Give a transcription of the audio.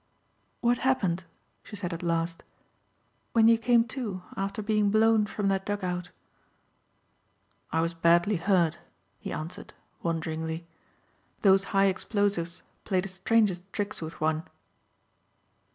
"What happened," she said at last, "when you came to after being blown from that dug out?" "I was badly hurt," he answered, wonderingly, "those high explosives play the strangest tricks with one."